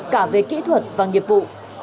cả về kỹ thuật và nghiệp vụ